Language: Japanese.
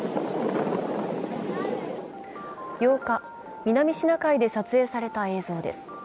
８日、南シナ海で撮影された映像です。